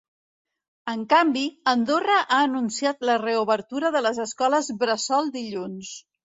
En canvi, Andorra ha anunciat la reobertura de les escoles bressol dilluns.